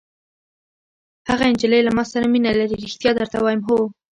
هغه نجلۍ له ما سره مینه لري! ریښتیا درته وایم. هو.